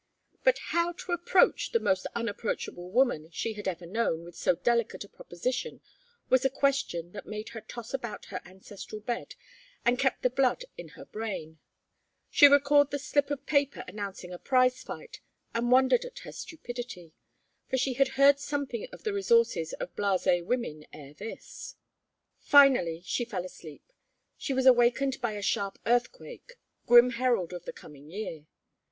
But how to approach the most unapproachable woman she had ever known with so delicate a proposition was a question that made her toss about her ancestral bed and kept the blood in her brain. She recalled the slip of paper announcing a prize fight, and wondered at her stupidity; for she had heard something of the resources of blasée women ere this. Finally she fell asleep. She was awakened by a sharp earthquake grim herald of the coming year!